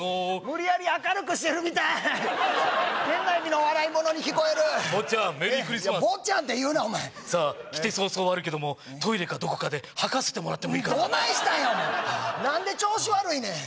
無理やり明るくしてるみたい変な意味の笑いものに聞こえる坊っちゃんメリークリスマス坊っちゃんって言うなお前さあ来て早々悪いけどもトイレかどこかで吐かせてもらってもいいかなどないしたんや何で調子悪いねん？